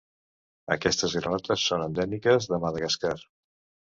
Aquestes granotes són endèmiques de Madagascar.